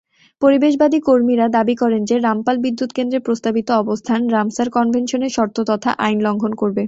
পরিবেশবাদী কর্মীরা দাবি করেন যে রামপাল বিদ্যুৎ কেন্দ্রের প্রস্তাবিত অবস্থান রামসার কনভেনশনের শর্ত তথা আইন লঙ্ঘন করবে।